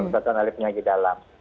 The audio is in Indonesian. pembatuhan alipnya di dalam